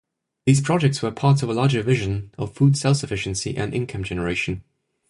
These projects were part of a larger vision of food self-sufficiency and income generation.